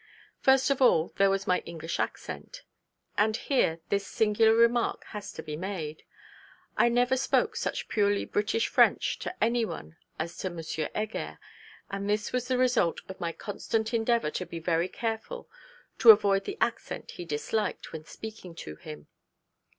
First of all, there was my English accent: and here this singular remark has to be made: I never spoke such purely British French to any one as to M. Heger; and this was the result of my constant endeavour to be very careful to avoid the accent he disliked, when speaking to him.